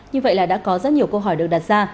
như vậy là đã có rất nhiều câu hỏi được đặt ra